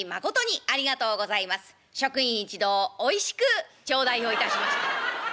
職員一同おいしく頂戴をいたしました』」。